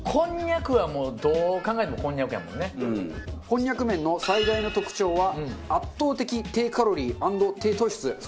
こんにゃく麺の最大の特徴は圧倒的低カロリー＆低糖質。